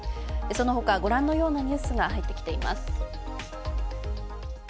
そのほか、ご覧のようなニュースが入ってきています。